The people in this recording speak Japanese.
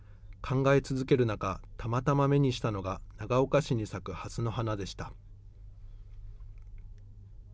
考え続ける中、たまたま目にしたのが長岡市に咲くハスの花でした。